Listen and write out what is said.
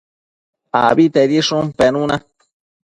Abitedishun penuna